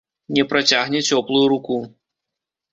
Не працягне цёплую руку.